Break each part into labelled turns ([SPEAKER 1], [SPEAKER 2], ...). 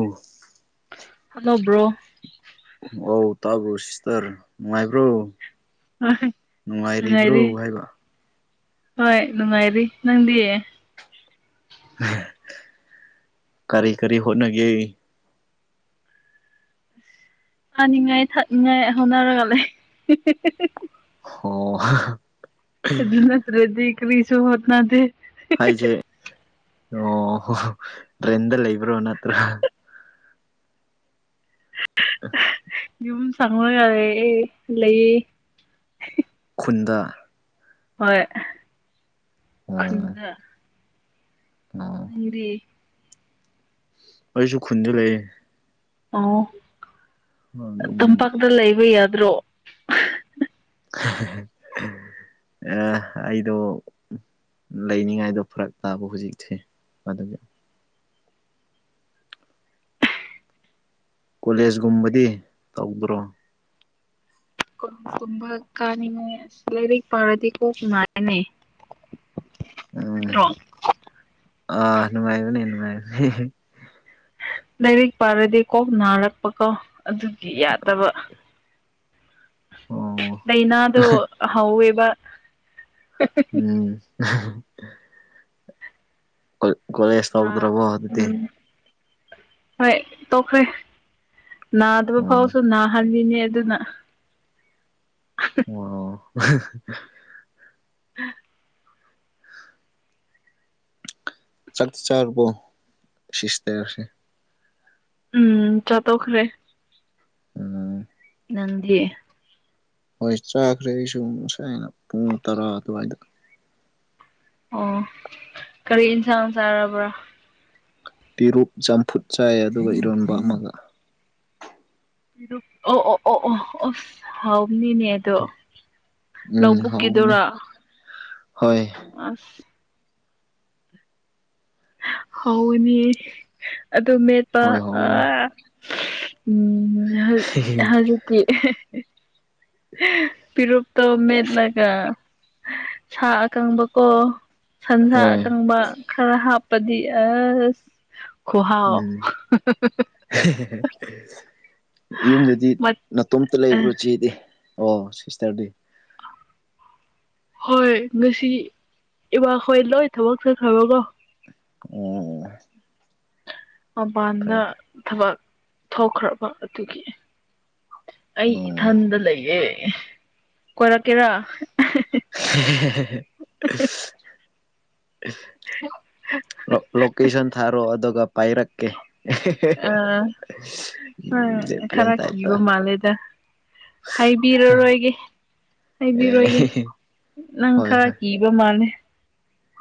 [SPEAKER 1] ꯑꯣ
[SPEAKER 2] hello bro
[SPEAKER 1] ꯑꯧ ꯇꯥꯕ꯭ꯔꯣ ꯁꯤꯁꯇꯔ ꯅꯨꯡꯉꯥꯏꯕ꯭ꯔꯣ
[SPEAKER 2] ꯍꯣꯏ
[SPEAKER 1] ꯅꯨꯡꯉꯥꯏꯔꯤꯕ꯭ꯔꯣ
[SPEAKER 2] ꯅꯨꯡꯉꯥꯏꯔꯤ
[SPEAKER 1] ꯍꯥꯏꯕ
[SPEAKER 2] ꯍꯣꯏ ꯅꯨꯡꯉꯥꯏꯔꯤ ꯅꯪꯗꯤꯦ
[SPEAKER 1] ꯎ ꯀꯔꯤ ꯀꯔꯤ ꯍꯣꯠꯅꯒꯦ
[SPEAKER 2] ꯄꯥꯅꯤꯡꯉꯥꯏ ꯊꯥꯅꯤꯡꯉꯥꯏ ꯍꯣꯅꯔꯒ ꯂꯩꯦ
[SPEAKER 1] ꯑꯣ
[SPEAKER 2] ꯑꯗꯨ ꯅꯠꯇ꯭ꯔꯦꯗꯤ ꯀꯔꯤꯁꯨ ꯍꯠꯅꯗꯦ
[SPEAKER 1] ꯍꯥꯏꯁꯦ ꯑꯣꯣ ꯇ꯭ꯔꯦꯟꯗ ꯂꯩꯕ꯭ꯔꯣ ꯅꯠꯇ꯭ꯔꯥ [unintelligible]
[SPEAKER 2] ꯌꯝ ꯁꯥꯡꯅ ꯌꯥꯔꯦ ꯑꯦ ꯂꯩꯌꯦ
[SPEAKER 1] ꯀꯟꯗ
[SPEAKER 2] ꯍꯣꯏ
[SPEAKER 1] ꯑꯣ
[SPEAKER 2] ꯈꯨꯟꯗ
[SPEAKER 1] ꯑꯣ
[SPEAKER 2] ꯅꯦ
[SPEAKER 1] ꯑꯩꯁꯨ ꯈꯨꯟꯗ ꯂꯩ
[SPEAKER 2] ꯑꯣ
[SPEAKER 1] ꯑꯗꯨꯝ
[SPEAKER 2] ꯇꯝꯄꯥꯛꯇ ꯂꯩꯕ ꯌꯥꯗ꯭ꯔꯣ
[SPEAKER 1] ꯑ ꯑꯩꯗꯣ ꯂꯩꯅꯤꯡꯉꯥꯏꯗꯣ ꯐꯔꯛ ꯇꯥꯕ ꯍꯧꯖꯤꯛꯁꯦ ꯑꯗꯨꯒꯤ ꯀꯣꯂꯦꯖꯀꯨꯝꯕꯗꯤ ꯇꯧꯗ꯭ꯔꯣ
[SPEAKER 2] ꯀꯨꯝꯕ ꯀꯥꯅꯤꯅꯦꯔꯤꯛ ꯄꯥꯔꯗꯤ ꯀ ꯈꯨ ꯃꯥꯅꯦ ꯄꯠꯇ꯭ꯔꯣ
[SPEAKER 1] ꯑ ꯅꯨꯅꯨꯡꯉꯥꯏꯕꯅꯦ ꯅꯨꯡꯉꯥꯏꯕꯅꯤ
[SPEAKER 2] ꯂꯥꯏꯔꯤꯛ ꯄꯥꯔꯗꯤ ꯀꯣꯛ ꯅꯥꯔꯛꯄꯀꯣ ꯑꯗꯨꯗꯤ ꯌꯥꯗꯕ
[SPEAKER 1] ꯑꯣ
[SPEAKER 2] ꯂꯩꯩꯅ ꯑꯗꯨ ꯍꯥꯎꯕ
[SPEAKER 1] ꯎꯝ ꯀꯣꯂꯦꯖ
[SPEAKER 2] ꯅꯥ
[SPEAKER 1] ꯇꯧꯗ꯭ꯔꯕꯣ ꯑꯗꯨꯗꯤ
[SPEAKER 2] ꯎꯝ ꯍꯣꯏ ꯇꯣꯛꯈ꯭ꯔꯦ ꯅꯥꯗꯕ
[SPEAKER 1] ꯑꯣ
[SPEAKER 2] ꯐꯥꯎꯁꯨ ꯅꯥꯍꯜꯂꯤꯅꯦ ꯌꯦ ꯑꯗꯨꯅ
[SPEAKER 1] ꯑꯣ
[SPEAKER 2] [unintelligible]
[SPEAKER 1] ꯆꯥꯛꯗ ꯆꯥꯔꯕꯣ ꯁꯤꯁꯇꯦꯔꯁꯦ
[SPEAKER 2] ꯎꯝ ꯆꯠꯠꯇꯣꯛꯈ꯭ꯔꯦ
[SPEAKER 1] ꯎꯝ
[SPEAKER 2] ꯅꯗꯤ
[SPEAKER 1] ꯍꯣꯏ ꯆꯥꯈ꯭ꯔꯦ ꯑꯩ ꯁ ꯁꯥꯏꯅ ꯄꯨꯡ ꯇꯔꯥ ꯑꯗꯨꯋꯥꯏꯗ
[SPEAKER 2] ꯑꯣ ꯀꯔꯤ ꯏꯟꯁꯥꯡ ꯆꯥꯔꯕ꯭ꯔꯥ
[SPEAKER 1] ꯄꯤꯔꯨꯛ ꯆꯝꯐꯨꯠ ꯆꯥꯏ ꯑꯗꯨꯒ ꯏꯔꯣꯟꯕ ꯑꯃꯒ
[SPEAKER 2] ꯑꯣ ꯑꯣ ꯑꯣ ꯑꯣ ꯑꯣꯁ ꯍꯥꯎꯅꯤꯅꯦ ꯑꯗꯣ
[SPEAKER 1] ꯎꯝ ꯍꯥꯎꯕꯅꯦ
[SPEAKER 2] ꯂꯧꯕꯕꯨꯛꯀꯤꯗꯨꯔꯥ
[SPEAKER 1] ꯍꯣꯏ
[SPEAKER 2] ꯑꯁ ꯍꯧꯅꯤ ꯑꯗꯨ ꯃꯦꯠꯄ
[SPEAKER 1] ꯍꯣꯏ
[SPEAKER 2] ꯑ
[SPEAKER 1] ꯍꯥꯎꯕꯅꯦ
[SPEAKER 2] ꯎꯝ ꯍꯧꯖꯤꯛꯀꯤ ꯄꯤꯔꯣꯞ ꯇꯣ ꯃꯦꯠꯂꯒ ꯁꯥ ꯑꯀꯪꯕꯀꯣ ꯁꯟꯁꯥ
[SPEAKER 1] ꯍꯣꯏ
[SPEAKER 2] ꯑꯀꯪꯕ ꯈꯔ ꯍꯥꯞꯄꯗꯤ ꯑꯁ ꯈꯨꯍꯥꯎ
[SPEAKER 1] ꯎꯝ ꯌꯨꯝꯗꯗꯤ ꯅꯅꯥꯇꯣꯝꯇ ꯂꯩꯕ꯭ꯔꯣ ꯆꯦꯗꯤ ꯑꯣ ꯁꯤꯁꯇꯔꯗꯤ
[SPEAKER 2] ꯍꯣꯏ ꯉꯁꯤ ꯏꯕꯥꯈꯣꯏ ꯂꯣꯏ ꯊꯕꯛ ꯆꯠꯈ꯭ꯔꯕꯀꯣ
[SPEAKER 1] ꯎꯝ
[SPEAKER 2] ꯃꯄꯥꯟꯗ ꯊꯕꯛ ꯊꯣꯛꯧꯈ꯭ꯔꯕ ꯑꯗꯨꯒꯤ ꯑꯩ
[SPEAKER 1] ꯑꯣ
[SPEAKER 2] ꯏꯊꯟꯗ ꯂꯩꯌꯦꯦ ꯀꯣꯏꯔꯛꯀꯦꯔꯥ
[SPEAKER 1] [unintelligible] ꯂꯣꯀꯦꯁꯟ ꯊꯥꯔꯣ ꯑꯗꯨꯒ ꯄꯥꯏꯔꯛꯀꯦ
[SPEAKER 2] ꯑ ꯍꯣꯏ
[SPEAKER 1] ꯦ ꯄ꯭ꯂ
[SPEAKER 2] ꯈꯔ
[SPEAKER 1] ꯇ ꯍꯥꯏꯠꯇ
[SPEAKER 2] ꯀꯤꯕ ꯃꯥꯜꯂꯦꯗ ꯍꯥꯏꯕꯤꯔꯔꯣꯏꯒꯦ
[SPEAKER 1] ꯑꯦ
[SPEAKER 2] ꯍꯥꯏꯕꯤꯔꯣꯏꯒꯦ ꯅꯪ ꯈꯔ ꯀꯤꯕ ꯃꯥꯜꯂꯦ
[SPEAKER 1] [unintelligible]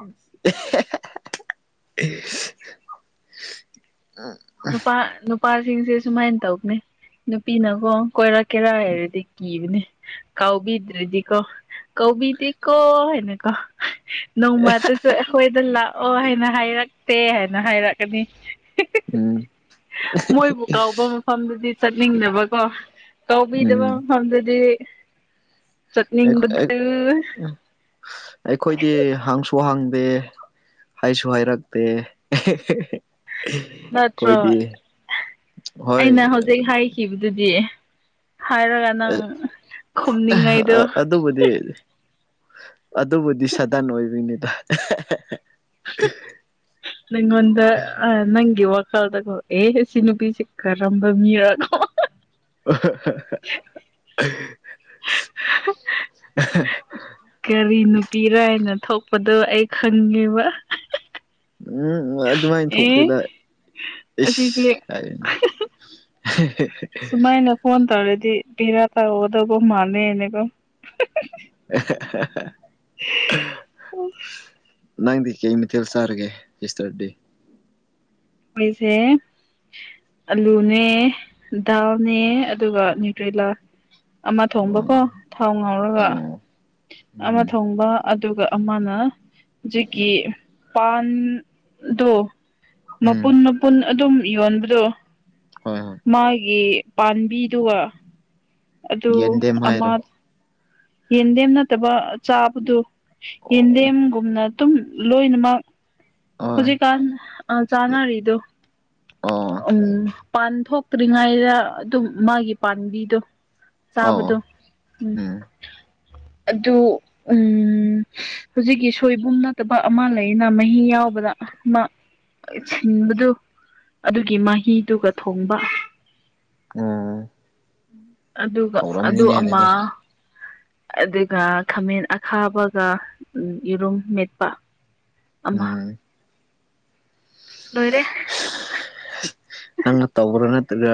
[SPEAKER 1] ꯑ
[SPEAKER 2] ꯅꯨꯄꯥ ꯅꯨꯄꯥꯁꯤꯡꯁꯦ ꯁꯨꯃꯥꯏꯅ ꯇꯧꯅꯦ ꯅꯨꯄꯤꯅꯀꯣ ꯀꯣꯏꯔꯛ ꯀꯦꯔꯥ ꯍꯥꯏꯔꯗꯤ ꯀꯤꯕꯅꯦ ꯀꯥꯎꯕꯤꯗ꯭ꯔꯗꯤꯀꯣ ꯀꯕꯤꯗꯤ ꯀꯣ ꯍꯦꯅꯀꯣ ꯅꯣꯡꯃꯇꯁꯨ ꯑꯩꯈꯣꯏꯗ ꯂꯥꯛꯑꯣ ꯍꯥꯏꯅ ꯍꯥꯏꯔꯛꯇꯦ ꯍꯥꯏꯅ ꯍꯥꯏꯔꯛꯀꯅꯤ
[SPEAKER 1] ꯎꯝ
[SPEAKER 2] ꯃꯣꯏꯕꯨ ꯀꯥꯎꯕ ꯃꯐꯝꯗꯨꯗꯤ ꯆꯠꯅꯤꯡꯗꯕꯀꯣ ꯇꯧꯕꯤꯗꯕ
[SPEAKER 1] ꯎꯝ
[SPEAKER 2] ꯃꯐꯝꯗꯗꯤ
[SPEAKER 1] ꯑꯩꯈꯣꯏꯗꯤ ꯍꯪꯁꯨ ꯍꯪ ꯍꯏ ꯁꯨꯍꯏ ꯔꯛꯗ
[SPEAKER 2] ꯅꯠꯇ꯭ꯔꯣ
[SPEAKER 1] ꯀꯣꯏꯗ ꯍꯣꯏ
[SPEAKER 2] ꯑꯩꯅ ꯍꯧꯖꯤꯛ ꯍꯥꯏꯈꯤꯕꯗꯨꯗꯤ ꯍꯥꯏꯔꯒ ꯅꯪ ꯈꯨꯝꯅꯤꯡꯉꯥꯏꯗꯣ
[SPEAKER 1] ꯑ ꯑꯗꯨꯕꯨꯗꯤ ꯑꯗꯨꯕꯨꯗꯤ ꯁꯥꯗꯥꯟ ꯑꯣꯏꯕꯤꯅꯤꯗ
[SPEAKER 2] ꯅꯪꯣꯗ ꯑ ꯅꯪꯒꯤ ꯋꯥ ꯈꯜꯗꯣ ꯑꯦ ꯁꯤ ꯅꯨꯄꯤꯁꯦ ꯀꯔꯝꯕ ꯃꯤꯔꯅꯣ
[SPEAKER 1] ꯑꯣ [unintelligible]
[SPEAKER 2] ꯀꯔꯤ ꯅꯨꯄꯤꯔꯥ ꯍꯥꯏꯅ ꯊꯣꯛꯄꯗꯣ ꯑꯩ ꯈꯪꯉꯦꯕ
[SPEAKER 1] ꯎꯝ ꯑꯗꯨꯃꯥꯏꯅ
[SPEAKER 2] ꯑꯦ
[SPEAKER 1] ꯊꯣꯛꯇꯨꯗ
[SPEAKER 2] ꯑꯁꯤꯁꯦ
[SPEAKER 1] ꯏꯁꯁ ꯍꯥꯏꯅꯦ [unintelligible]
[SPEAKER 2] ꯇꯔꯦꯗꯤ ꯄꯤꯔꯥ ꯇ ꯑꯣꯗꯧꯕ ꯃꯥꯅꯦꯅꯦꯕ
[SPEAKER 1] [inaudible]
[SPEAKER 2] ꯑꯣ
[SPEAKER 1] ꯅꯪꯗꯤ ꯀꯩ ꯃꯊꯦꯜ ꯆꯥꯔꯒꯦ ꯏꯁꯇꯔ ꯗꯦ
[SPEAKER 2] ꯄꯣꯏꯁꯦ ꯑꯂꯨꯅꯦ ꯗꯥꯜꯅꯦ ꯑꯗꯨꯒ ꯅ꯭ꯌꯨꯇ꯭ꯔꯔꯤꯂꯥ ꯑꯃ
[SPEAKER 1] ꯑꯣ
[SPEAKER 2] ꯊꯣꯡꯕꯀꯣ ꯊꯥꯎ ꯉꯥꯎꯔꯒ
[SPEAKER 1] ꯑꯣ
[SPEAKER 2] ꯑꯃ
[SPEAKER 1] ꯎꯝ
[SPEAKER 2] ꯊꯣꯡꯕ ꯑꯗꯨꯒ ꯑꯃꯅ ꯦꯀꯤ ꯄꯥꯟꯗ
[SPEAKER 1] ꯎꯝ
[SPEAKER 2] ꯃꯄꯨꯟ ꯃꯄꯨꯟ ꯑꯗꯨꯝ ꯌꯣꯟꯕꯗꯣ
[SPEAKER 1] ꯍꯣꯏ ꯍꯣꯏ
[SPEAKER 2] ꯃꯥꯒꯤ ꯄꯥꯝꯕꯤꯗꯨꯒ ꯑꯗꯨ
[SPEAKER 1] ꯌꯦꯟꯗꯦꯝ
[SPEAKER 2] ꯑꯃ
[SPEAKER 1] ꯍꯥꯏꯔꯣ
[SPEAKER 2] ꯌꯦꯟꯗꯦꯝ ꯅꯠꯇꯕ ꯆꯥꯕꯗꯨꯣ
[SPEAKER 1] ꯑꯣ
[SPEAKER 2] ꯌꯦꯟꯗꯦꯝꯒꯨꯝꯅ ꯑꯗꯨꯝ ꯂꯣꯏꯅꯃꯛ
[SPEAKER 1] ꯍꯣꯏ
[SPEAKER 2] ꯍꯧꯖꯤꯛꯀꯥꯟ ꯑ ꯆꯥꯟꯅꯔꯤꯗꯣ
[SPEAKER 1] ꯑꯣ
[SPEAKER 2] ꯎꯝ ꯄꯥꯟ ꯊꯣꯛꯇ꯭ꯔꯤꯉꯩꯗ ꯑꯗꯨꯝ ꯃꯥꯒꯤ ꯄꯥꯝꯕꯤꯗꯣ ꯆꯕꯗꯨ ꯎꯝ
[SPEAKER 1] ꯎ
[SPEAKER 2] ꯑꯗꯨ ꯎꯝ ꯍꯧꯖꯤꯛꯀꯤ ꯁꯣꯏꯕꯨꯝ ꯅꯠꯇꯕ ꯑꯃ ꯂꯩꯅ ꯃꯍꯤ ꯌꯥꯎꯕ ꯗꯨ ꯑꯗꯨꯒꯤ ꯃꯍꯤꯗꯨꯒ ꯊꯣꯡꯕ
[SPEAKER 1] ꯑ
[SPEAKER 2] ꯑꯗꯨꯒ ꯑꯗꯨ ꯑꯃ ꯑꯗꯨꯒ ꯈꯥꯃꯦꯟ ꯑꯈꯥꯕꯒ ꯌꯦꯔꯨꯝ ꯃꯦꯠꯄ ꯑꯃ
[SPEAKER 1] ꯎꯝ
[SPEAKER 2] ꯂꯣꯏꯔꯦ
[SPEAKER 1] ꯅꯪꯅ ꯇꯧꯕ꯭ꯔꯅ ꯑꯗꯨꯒ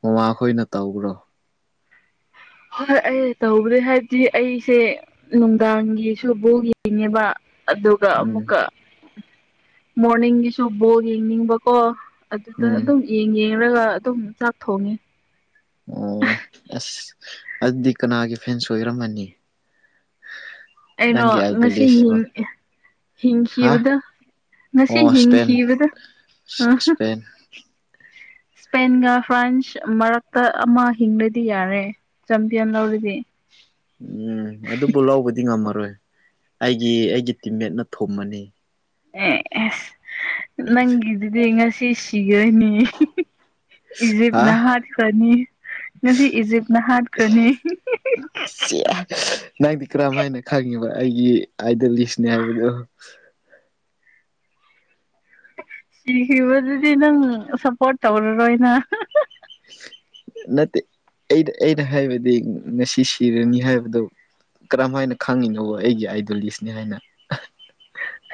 [SPEAKER 1] ꯃꯃꯥꯈꯣꯏꯅ ꯇꯈ꯭ꯔꯣ
[SPEAKER 2] ꯍꯣꯏ ꯑꯩ ꯇꯧꯕꯗꯤ ꯍꯥꯏꯕꯗꯤ ꯑꯩꯁꯦ ꯅꯨꯡꯗꯥꯡꯒꯤꯁꯨꯕꯨ ꯂꯩꯅꯦꯕ ꯑꯗꯨꯒ
[SPEAKER 1] ꯎꯝ
[SPEAKER 2] ꯑꯃꯨꯛꯀ ꯃꯣꯔꯅꯤꯡꯒꯤꯁꯨ ꯕꯣꯜ ꯌꯦꯡꯅꯤꯡꯕꯀꯣ ꯑꯗꯨꯗ
[SPEAKER 1] ꯎꯝ
[SPEAKER 2] ꯑꯗꯨꯝ ꯌꯦꯡ ꯌꯦꯡꯔꯒ ꯑꯗꯨꯝ ꯆꯥꯛ ꯊꯣꯡꯉꯤ
[SPEAKER 1] ꯑꯣ ꯑꯁ ꯑꯗꯨꯗꯤ ꯀꯅꯥꯒꯤ ꯐꯦꯟꯁ ꯑꯣꯏꯔꯝꯃꯅꯤ l
[SPEAKER 2] ꯑꯩꯔꯣ ꯉꯁꯤ
[SPEAKER 1] ꯍꯥ
[SPEAKER 2] ꯍꯤꯡꯈꯤꯕꯗ ꯉꯁꯤ
[SPEAKER 1] ꯑꯣ ꯏꯁꯄꯦꯟ
[SPEAKER 2] ꯍꯤꯡꯈꯤꯕꯗ ꯑ
[SPEAKER 1] ꯏꯁꯄꯦꯟ [unintelligible]
[SPEAKER 2] ꯏꯁꯄꯦꯟꯒ ꯐ꯭ꯔꯥꯟꯁ ꯃꯔꯛꯇ ꯑꯃ ꯍꯤꯡꯕꯗꯤ ꯌꯥꯔꯦ ꯆꯝꯄꯤꯌꯟ ꯂꯧꯔꯤꯗꯤ
[SPEAKER 1] ꯣꯏ ꯑꯩꯒꯤ ꯑꯩꯒꯤ ꯇꯤꯝꯃꯦꯠꯅ ꯊꯣꯃꯅꯤ
[SPEAKER 2] ꯑꯦꯁ ꯅꯪꯒꯤꯗꯨꯗꯤ ꯉꯁꯤ ꯁꯤꯈꯣꯏꯅꯤ ꯏꯖꯤꯞ
[SPEAKER 1] ꯍꯥ
[SPEAKER 2] ꯅꯍꯗꯤ ꯐꯅꯤ ꯉꯁꯤ ꯏꯖꯤꯞꯅ ꯍꯥꯠꯈ꯭ꯔꯅꯤ
[SPEAKER 1] ꯅꯪꯗꯤ ꯀꯔꯝ ꯍꯥꯏꯅ ꯈꯪꯉꯤꯕ ꯑꯩꯒꯤ ꯑꯥꯏꯗ ꯂꯤꯁꯅꯦ ꯍꯥꯏꯕꯗꯣ
[SPEAKER 2] ꯁꯤꯈꯤꯕꯗꯨꯗꯤ ꯅꯪ ꯁꯞꯄꯣꯔꯠ ꯇꯧꯔꯔꯣꯏꯅ
[SPEAKER 1] [unintelligible] ꯅꯠꯇꯦ ꯑꯩꯅ ꯍꯥꯏꯕꯗꯤ ꯉꯁꯤ ꯁꯤꯔꯅꯤ ꯍꯥꯏꯕꯗꯨꯣ ꯀꯔꯝ ꯍꯥꯏꯅ ꯈꯪꯉꯤꯅꯣ ꯑꯩꯒꯤ ꯑꯥꯏꯗꯣꯂꯤꯁꯅꯤ ꯍꯥꯏꯅ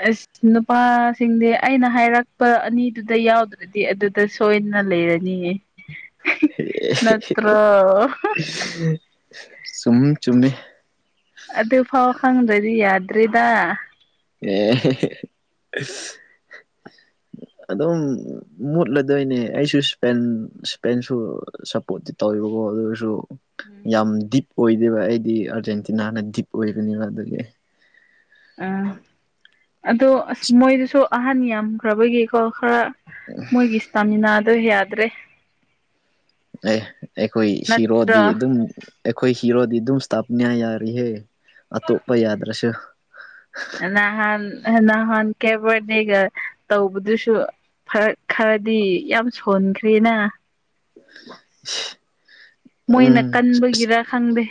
[SPEAKER 2] ꯑꯁ ꯅꯨꯄꯥꯁꯤꯡꯗꯤ ꯑꯩꯅ ꯍꯥꯏꯔꯛꯄ ꯑꯅꯤꯗꯨꯗ ꯌꯥꯎꯗ꯭ꯔꯗꯤ ꯑꯗꯨꯗ ꯁꯣꯏꯅ ꯟꯅ ꯂꯩꯔꯅꯤꯌꯦ ꯅꯠꯇ꯭ꯔꯣ
[SPEAKER 1] ꯁꯨꯝ ꯆꯨꯝꯃꯤꯃꯦ
[SPEAKER 2] ꯑꯗꯨ ꯐꯥꯎ ꯈꯪꯗ꯭ꯔꯗꯤ ꯌꯥꯗ꯭ꯔꯔꯤꯗ
[SPEAKER 1] ꯑꯦ ꯑꯗꯨꯝ ꯃꯨꯠꯂꯗꯣꯏꯅꯦ ꯑꯩꯁꯨ ꯏꯁꯄꯦꯟ ꯏꯁꯄꯦꯟꯁꯨ ꯁꯄꯣꯔ ꯇꯧꯋꯤꯕꯀꯣ ꯑꯗꯨꯔꯁꯨ
[SPEAKER 2] ꯎꯝ
[SPEAKER 1] ꯌꯥꯝ ꯗꯤꯞ ꯑꯣꯏꯗꯦꯕ ꯑꯩꯗꯤ ꯑꯥꯔꯖꯦꯟꯇꯤꯅꯥꯅ ꯗꯤꯞ ꯑꯣꯏꯕꯅꯦꯕ ꯑꯗꯨꯒꯤ
[SPEAKER 2] ꯑꯗꯣ ꯑꯁ ꯃꯣꯏꯗꯨꯁꯨ ꯑꯍꯟ ꯌꯥꯝꯈ꯭ꯔꯕꯒꯤꯀꯣ ꯈꯔ ꯃꯣꯏꯒꯤ ꯏꯁꯇꯥꯃꯤꯅꯥꯗꯣ ꯌꯥꯗ꯭ꯔꯦ
[SPEAKER 1] ꯑꯦ ꯑꯩꯈꯣꯏ ꯁꯤꯔꯣꯗꯤ
[SPEAKER 2] ꯅꯠꯇ꯭ꯔꯣ
[SPEAKER 1] ꯑꯗꯨꯝ ꯑꯩꯈꯣꯏ ꯀꯤꯔꯣꯗꯤ ꯑꯗꯨꯝ ꯏꯁꯇꯥꯞꯅꯤꯌꯥ ꯌꯥꯔꯤꯍꯦ ꯑꯇꯣꯞꯄ ꯌꯥꯗ꯭ꯔꯁꯨ
[SPEAKER 2] ꯅꯍꯥꯟ ꯅꯍꯥꯟ ꯀꯦꯕꯅꯦꯒ ꯇꯧꯕꯗꯨꯁꯨ ꯐꯔ ꯈꯔꯗꯤ ꯌꯥꯝ ꯁꯣꯟꯈ꯭ꯔꯦꯅ
[SPEAKER 1] [unintelligible] ꯎꯝ
[SPEAKER 2] ꯃꯣꯏꯅ ꯀꯟꯕꯒꯤꯔ ꯈꯪꯗꯦ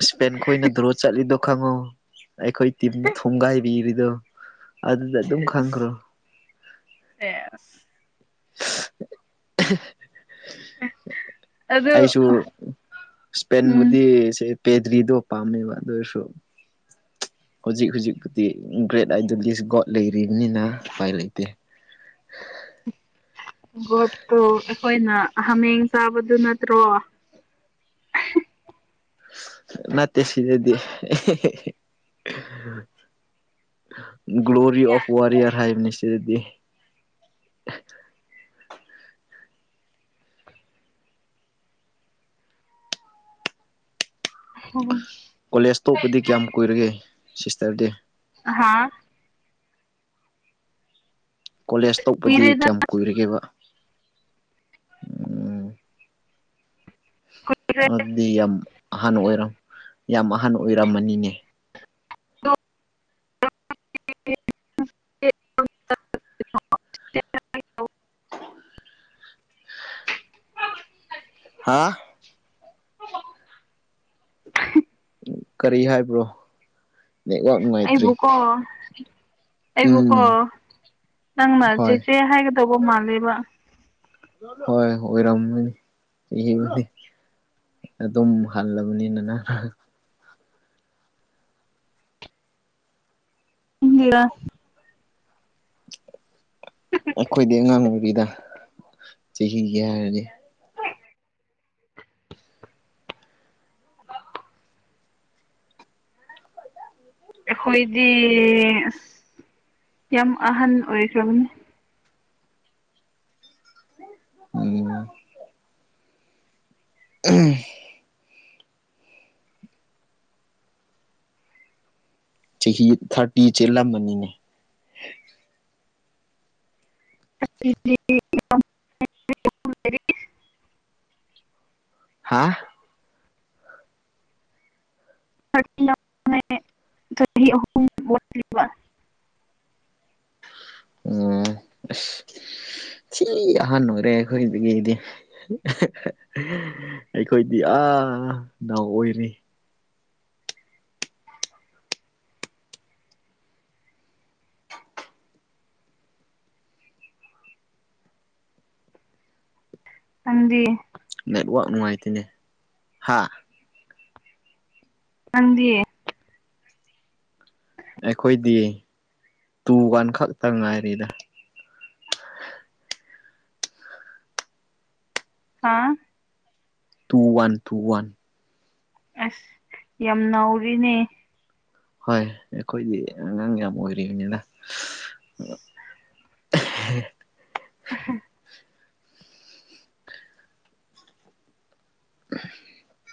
[SPEAKER 1] ꯏꯁꯄꯦꯟ ꯈꯅ ꯗ꯭ꯔꯣ ꯆꯠꯂꯤꯗꯣ ꯈꯪꯉꯨ ꯑꯩꯈꯣꯏ ꯇꯤꯝꯅ ꯊꯣꯡꯒꯥꯏꯕꯤꯔꯤꯗꯨꯣ ꯑꯗꯨꯗ ꯑꯗꯨꯝ ꯈꯪꯈ꯭ꯔꯣ
[SPEAKER 2] ꯑꯦꯦ
[SPEAKER 1] [inaudible]
[SPEAKER 2] ꯑꯗꯨ
[SPEAKER 1] ꯑꯩꯁꯨ
[SPEAKER 2] ꯎꯝ
[SPEAKER 1] ꯏꯁꯄꯦꯟꯕꯨꯗꯤ ꯄꯦꯗꯔꯤꯗꯣ ꯄꯝꯃꯦꯕꯗꯨꯏ ꯁꯣ ꯍꯧꯖꯤꯛ ꯍꯧꯖꯤꯛꯄꯨꯗꯤ ꯒ꯭ꯔꯦꯠ ꯑꯥꯏꯗꯣꯂꯤꯁ ꯒꯣꯗ ꯂꯩꯔꯤꯕꯅꯤꯅ ꯎꯄꯥꯏ ꯂꯩꯇꯦ
[SPEAKER 2] ꯠꯇ ꯑꯩꯈꯣꯏꯅ ꯍꯥꯃꯦꯡ ꯆꯥꯕꯗꯨ ꯅꯠꯇ꯭ꯔꯣ
[SPEAKER 1] ꯅꯠꯇꯦ ꯁꯤꯗꯗꯤ ꯒ꯭ꯂꯔꯤ ꯑꯣꯐ ꯋꯥꯔꯌꯔ ꯍꯥꯏꯕꯅꯤꯁꯗꯤ [unintelligible] ꯀꯣꯂꯦꯖ ꯇꯣꯛꯄꯗꯤ ꯀꯌꯥꯝ ꯀꯨꯏꯔꯒꯦ ꯁꯤꯁꯇ꯭ꯔꯗꯤ
[SPEAKER 2] ꯍꯥꯥ
[SPEAKER 1] ꯀꯣꯂꯦꯖ ꯇꯣꯛꯄꯗꯤ
[SPEAKER 2] ꯀꯨꯏꯔꯦꯗ
[SPEAKER 1] ꯀꯌꯥꯝ ꯀꯨꯏꯔꯒꯦꯕ ꯑꯝ
[SPEAKER 2] ꯀꯨꯏꯔꯦ
[SPEAKER 1] ꯑꯗꯨꯗꯤ ꯌꯥꯝ ꯑꯍꯟꯕ ꯑꯣꯏꯔꯝ ꯌꯥꯝ ꯑꯍꯟ ꯑꯣꯏꯔꯝꯃꯥꯅꯤꯅꯦ [inaudible] [inaudible] ꯍꯥꯥ ꯀꯔꯤ ꯍꯥꯏꯕ꯭ꯔꯣ ꯅꯦꯠꯋꯥꯛ ꯅꯨꯡꯉꯥꯏꯇ꯭ꯔꯦ
[SPEAKER 2] ꯑꯩꯕꯨꯀꯣ ꯑꯩꯕꯨꯀꯣ
[SPEAKER 1] ꯎꯝ
[SPEAKER 2] ꯅꯪꯅ
[SPEAKER 1] ꯍꯣꯏ
[SPEAKER 2] ꯆꯦꯆꯦ ꯍꯥꯏꯒꯗꯧꯕ ꯃꯥꯜꯂꯦꯕ
[SPEAKER 1] ꯍꯣꯏ ꯑꯣꯏꯔꯝꯃꯥꯅꯤꯅꯤ ꯍꯦꯡꯉꯁꯤ ꯑꯗꯨꯝ ꯍꯜꯂꯕꯅꯤꯅ ꯅꯥ ꯍꯥꯍꯥ
[SPEAKER 2] ꯅꯪꯒꯤꯔꯥ
[SPEAKER 1] [inaudible] ꯑꯈꯣꯏꯗꯤ ꯑꯉꯥꯡ ꯑꯣꯏꯔꯤꯗ ꯆꯥꯍꯤꯒꯤ ꯍꯥꯏꯔꯗꯤ
[SPEAKER 2] ꯑꯈꯣꯏꯗꯤ ꯂꯤꯔꯦ ꯑꯥꯁ ꯌꯥꯝ ꯑꯍꯟ ꯑꯣꯏꯈ꯭ꯔꯕꯅꯤ
[SPEAKER 1] ꯑꯝ ꯑꯝ ꯆꯍꯤ ꯊ꯭ꯔꯥꯇꯤ ꯆꯦꯜꯂꯝꯃꯅꯤꯅꯦ
[SPEAKER 2] [inaudible]
[SPEAKER 1] ꯍꯥ
[SPEAKER 2] ꯆꯍꯤ ꯍꯥꯝꯃꯦ ꯊ꯭ꯔꯥꯇꯤ ꯑꯍꯨꯝ ꯑꯣꯈ꯭ꯔꯦꯕ
[SPEAKER 1] ꯑꯝ ꯑꯥꯁ ꯊꯤꯟ ꯑꯥꯍꯟꯕ ꯑꯣꯏꯔꯦ ꯑꯈꯣꯏꯗꯒꯤꯗꯤ ꯑꯈꯣꯏꯗꯤ ꯑꯥ ꯑꯥ ꯅꯥꯎ ꯑꯣꯏꯔꯤ
[SPEAKER 2] ꯅꯪꯗꯤ
[SPEAKER 1] ꯅꯦꯠꯋꯥꯛ ꯅꯨꯡꯉꯥꯏꯇꯦꯅꯦ ꯍꯥ
[SPEAKER 2] ꯅꯪꯗꯤ
[SPEAKER 1] ꯑꯈꯣꯏꯗꯤ ꯇꯨ ꯋꯥꯟ ꯈꯛꯇꯥ ꯉꯥꯏꯔꯤꯗ [inaudible]
[SPEAKER 2] ꯍꯥꯥ
[SPEAKER 1] ꯇꯨ ꯋꯥꯟ ꯇꯨ ꯋꯥꯟ
[SPEAKER 2] ꯑꯁ ꯌꯥꯝ ꯅꯧꯔꯤꯅꯦ
[SPEAKER 1] ꯍꯣꯏ ꯑꯈꯣꯏꯗꯤ ꯑꯉꯥꯡ ꯌꯥꯝ ꯑꯣꯏꯔꯤ ꯅꯤꯅꯦ ꯍꯦ
[SPEAKER 2] ꯍꯥ
[SPEAKER 1] [inaudible]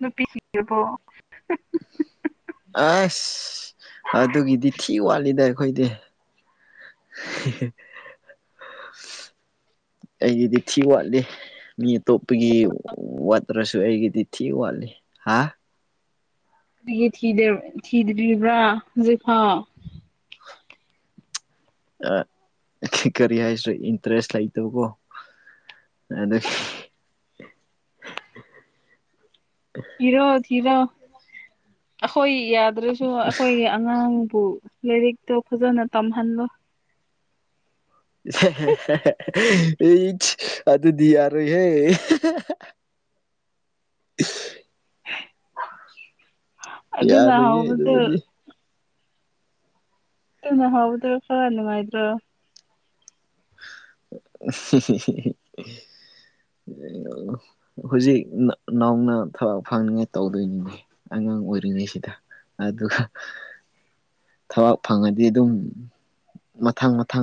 [SPEAKER 2] ꯅꯨꯄꯤ ꯊꯤꯔꯕ꯭ꯔꯣ
[SPEAKER 1] ꯑꯁ ꯑꯗꯨꯒꯤꯗꯤ ꯊꯤꯟ ꯋꯥꯠꯂꯤꯗ ꯑꯈꯣꯏꯗꯤ ꯑꯩꯒꯤꯗꯤ ꯊꯤꯟ ꯋꯥꯠꯂꯤ ꯃꯤ ꯑꯇꯣꯞꯄꯒꯤ ꯋꯥꯠꯇ꯭ꯔꯁꯨ ꯑꯩꯒꯤꯗꯤ ꯊꯤ ꯋꯥꯠꯂꯤ ꯍꯥ
[SPEAKER 2] ꯀꯔꯤꯒꯤ ꯊꯤꯗ꯭ꯔꯤꯕ꯭ꯔꯥ ꯍꯧꯖꯤꯛ ꯐꯥꯎ
[SPEAKER 1] ꯀꯔꯤ ꯍꯥꯏꯁꯤ ꯏꯟꯇ꯭ꯔꯦꯁ ꯂꯩꯇꯕꯀꯣ ꯑꯗꯥ
[SPEAKER 2] ꯊꯤꯔꯣ ꯊꯤꯔꯣ ꯑꯈꯣꯏ ꯌꯥꯗ꯭ꯔꯁꯨ ꯑꯈꯣꯏꯒꯤ ꯑꯉꯥꯡ ꯂꯥꯏꯔꯤꯛꯇꯣ ꯐꯥꯖꯅ ꯇꯝꯍꯜꯂꯣ
[SPEAKER 1] ꯑꯩ ꯑꯗꯨꯗꯤ ꯍꯥꯔꯣꯏ ꯍꯦ [inaudible]
[SPEAKER 2] ꯑꯗꯨꯅ
[SPEAKER 1] ꯌꯥꯔꯣꯏꯌꯦ
[SPEAKER 2] ꯍꯧꯕꯗꯨ
[SPEAKER 1] ꯑꯗꯨꯗꯤ
[SPEAKER 2] ꯅꯪ ꯍꯧꯕꯗꯨ ꯈ꯭ꯔ ꯅꯨꯡꯉꯥꯏꯇ꯭ꯔꯣ
[SPEAKER 1] [inaudible] ꯍꯧꯖꯤꯛ ꯅꯧꯅ ꯊꯕꯛ ꯐꯪꯅꯤꯡꯉꯥꯏ ꯇꯧꯗꯣꯏꯅꯤꯅꯦ ꯑꯉꯥꯡ ꯑꯣꯏꯔꯤꯉꯩꯁꯤꯗ ꯑꯗꯨꯒ ꯊꯕꯛ ꯐꯪꯉꯗꯤ ꯑꯗꯨꯝ ꯃꯊꯪ ꯃꯊꯪ